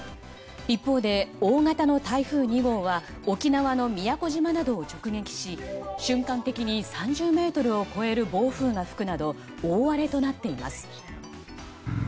一方で大型の台風２号は沖縄の宮古島などを直撃し瞬間的に３０メートルを超える暴風が吹くなど大荒れとなっています。